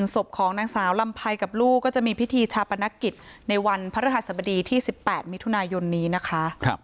ศพของนางสาวลำไพรกับลูกก็จะมีพิธีชาปนกิจในวันพระฤหัสบดีที่๑๘มิถุนายนนี้นะคะ